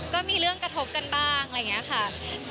ก็มีเรื่องกระทบกันบ้างอะไรอย่างนี้ค่ะ